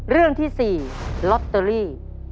เรื่องที่๔ลอตเตอรี่